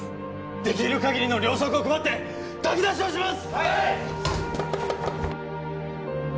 できうるかぎりの糧食を配って炊き出しをします！